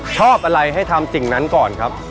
ชอบอะไรให้ทำสิ่งนั้นก่อนครับ